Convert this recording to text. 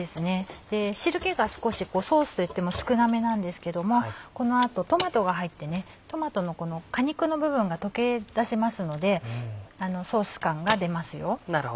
汁気が少しソースといっても少なめなんですけどもこの後トマトが入ってねトマトのこの果肉の部分が溶け出しますのでソース感が出ますよ。